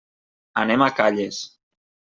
Anem a Calles.